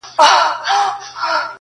بس کیسې دي د پنځه زره کلونو,